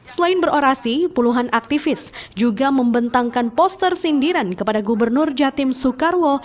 selain berorasi puluhan aktivis juga membentangkan poster sindiran kepada gubernur jatim soekarwo